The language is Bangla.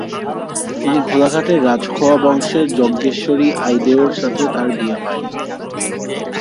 তিনি গোলাঘাটের রাজখোয়া বংশের যজ্ঞেশ্বরী আইদেউর সাথে তাঁর বিয়ে হয়।